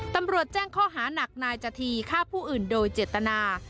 ตำรวจแจ้งข้อหานักนายจธีฆ่าผู้อื่นโดยเจตนา